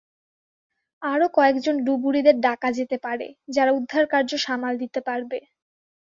আরো কয়েকজন ডুবুরিদের ডাকা যেতে পারে যারা উদ্ধারকার্য সামাল দিতে পারবে।